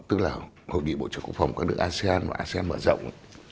tức là hội nghị bộ trưởng quốc phòng các nước asean và asean mở rộng